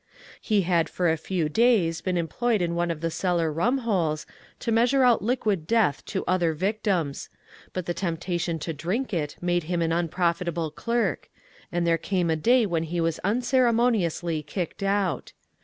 He had for a few days been 212 ONE COMMONPLACE DAY. employed in one of the cellar rumholes, to measure out liquid death to other victims ; but the temptation to drink it made him an unprofitable clerk, and there came a day when he was unceremoniously kicked out.